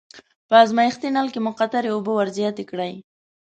په ازمایښتي نل کې مقطرې اوبه ور زیاتې کړئ.